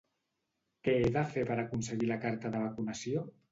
Què he de fer per aconseguir la carta de vacunació?